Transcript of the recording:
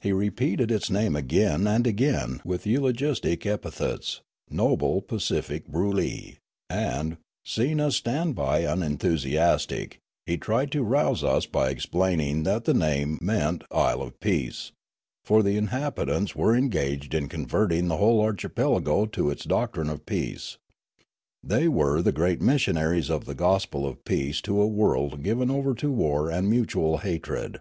He repeated its name again and again with eulogistic epithets, " noble, pacific Broolyi "; and, seeing us stand b}' unenthusiastic, he tried to rouse us by explaining that the name meant Isle of Peace, for the inhabitants were engaged in con verting the whole archipelago to its doctrine of peace ; they were the great missionaries of the gospel of peace to a world given over to war and mutual hatred.